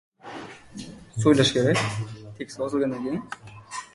Qashqadaryoda bog‘cha rahbariyati tekshiruvchilardan yashirib bolalarni hojatxonaga qamab qo‘ydi